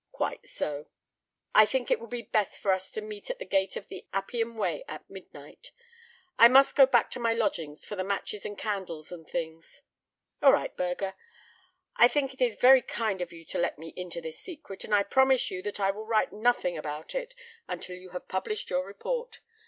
"Quite so. I think it would be best for us to meet at the Gate of the Appian Way at midnight. I must go back to my lodgings for the matches and candles and things." "All right, Burger! I think it is very kind of you to let me into this secret, and I promise you that I will write nothing about it until you have published your report.